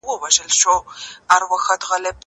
زه اوږده وخت د کتابتون کتابونه لوستل کوم!؟